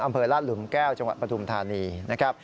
อำเภอลาดหลุมแก้วจังหวัดปฐุมธานีนะครับ